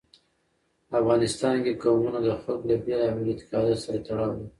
افغانستان کې قومونه د خلکو له بېلابېلو اعتقاداتو سره تړاو لري.